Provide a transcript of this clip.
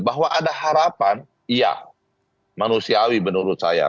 bahwa ada harapan iya manusiawi menurut saya